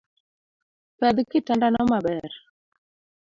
Pedh kitanda no maber